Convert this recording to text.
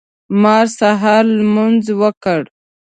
ما سهار لمونځ وکړ.